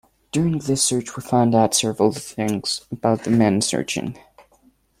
During this search we find out several things about the men searching.